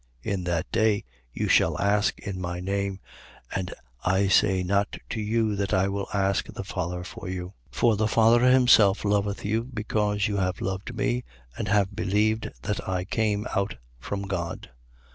16:26. In that day, you shall ask in my name: and I say not to you that I will ask the Father for you. 16:27. For the Father himself loveth you, because you have loved me and have believed that I came out from God.